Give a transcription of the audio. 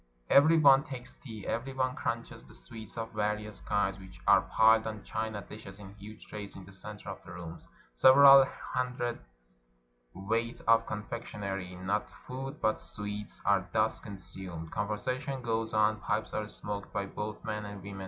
Every one takes tea, every one crunches the sweets of various kinds which are piled on china dishes in huge trays in the center of the rooms. Several hundredweight of confectionery — not food, but "sweets" — are thus consumed. Conversation goes on, pipes are smoked by both men and women.